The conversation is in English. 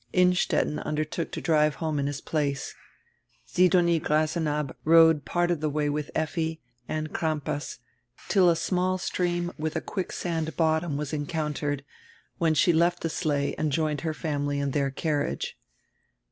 Innstetten undertook to drive home in his place. Sidonie Grasenabb rode part of die way widi Effi and Crampas, till a small stream with a quicksand bottom was encountered, when she left die sleigh and joined her family in dieir carriage.